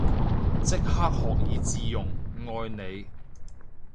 即刻學以致用，愛你